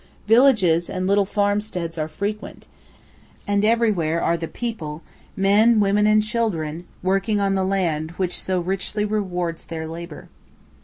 Villages and little farmsteads are frequent, and everywhere are the people, men, women, and children, working on the land which so richly rewards their labour.